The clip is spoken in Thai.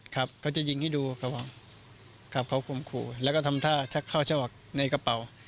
ครับเขาจะยิงให้ดูครับครับเขาควรคุมแล้วก็ทำท่าชักเข้าชะวักในกระเป๋า